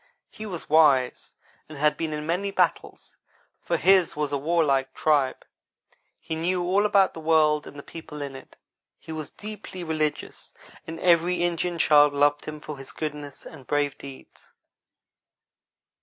He was wise, and had been in many battles, for his was a warlike tribe. He knew all about the world and the people in it. He was deeply religious, and every Indian child loved him for his goodness and brave deeds.